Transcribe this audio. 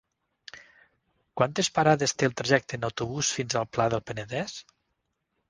Quantes parades té el trajecte en autobús fins al Pla del Penedès?